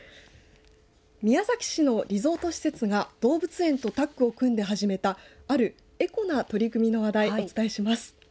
宮崎市のリゾート施設が動物園とタッグを組んで始めたあるエコな取り組みの話題をお伝えします。